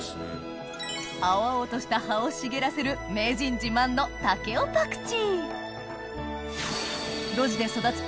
青々とした葉を茂らせる名人自慢のがあって。